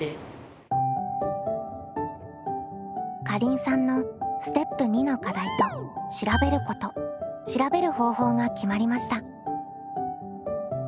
かりんさんのステップ２の課題と「調べること」「調べる方法」が決まりました。